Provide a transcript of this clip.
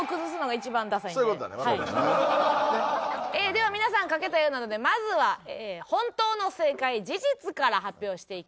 では皆さん書けたようなのでまずは本当の正解事実から発表していきましょう。